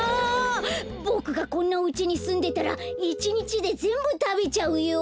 ボクがこんなおうちにすんでたらいちにちでぜんぶたべちゃうよ。